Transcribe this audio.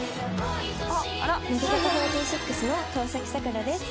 乃木坂４６の川崎桜です。